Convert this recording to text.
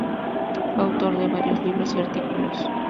Fue autor de varios libros y artículos.